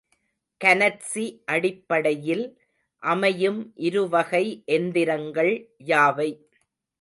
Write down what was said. கனற்சி அடிப்படையில் அமையும் இருவகை எந்திரங்கள் யாவை?